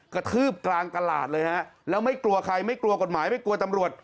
กระทืบกลางตลาดเลยฮะแล้วไม่กลัวใครไม่กลัวกฎหมายไม่กลัวตำรวจ